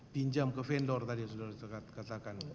pinjam ke vendor tadi sudah katakan